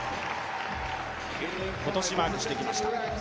今年マークしてきました。